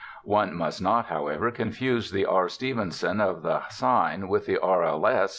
One must not, however, confuse the R. Stevenson of the sign with the R. L. S.